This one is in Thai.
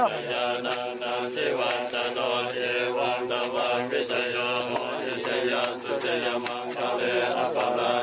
สุขยะหมางขาวเลอักษราที่สบายคำลังมาจาก